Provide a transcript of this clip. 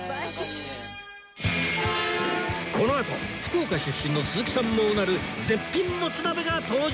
このあと福岡出身の鈴木さんもうなる絶品もつ鍋が登場！